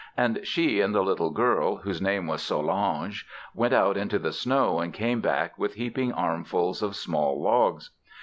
And she and the little girl, whose name was Solange, went out into the snow and came back with heaping armfuls of small logs.